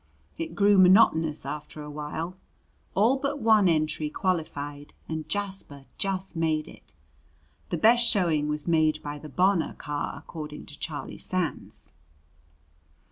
It grew monotonous after a while. All but one entry qualified and Jasper just made it. The best showing was made by the Bonor car, according to Charlie Sands.